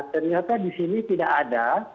ternyata di sini tidak ada